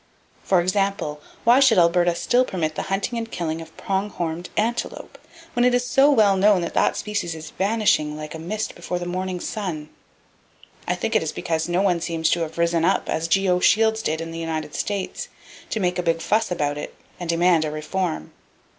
For example, why should Alberta still permit the hunting and killing of prong horned antelope, when it is so well known that that species is vanishing like a mist before the morning sun? I think it is because no one seems to have risen up as G.O. Shields did in the United States, to make a big fuss about it, and demand a reform.